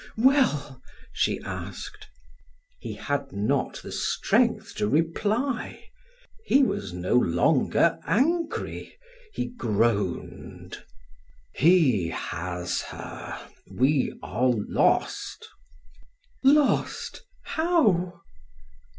"Well?" she asked. He had not the strength to reply: he was no longer angry; he groaned: "He has her we are lost." "Lost, how?"